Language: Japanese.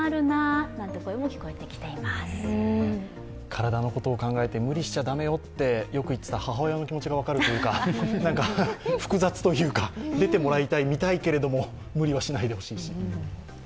体のことを考えて、無理しちゃだめよとよく言った母親の気持ちがよく分かるというか複雑というか、出てもらい、見たいけれども、無理はしないでほしいし。